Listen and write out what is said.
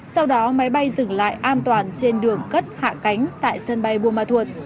sau đó máy bay dừng lại an toàn trên đường cất hạ cánh tại sân bay buôn ma thuột